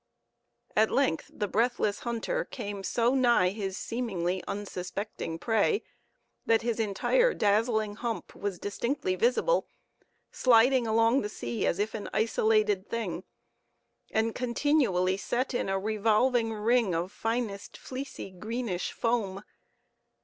At length the breathless hunter came so nigh his seemingly unsuspecting prey, that his entire dazzling hump was distinctly visible, sliding along the sea as if an isolated thing, and continually set in a revolving ring of finest, fleecy, greenish foam.